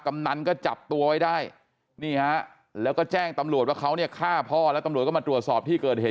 กำนันก็จับตัวไว้ได้นี่ฮะแล้วก็แจ้งตำรวจว่าเขาเนี่ยฆ่าพ่อแล้วตำรวจก็มาตรวจสอบที่เกิดเหตุ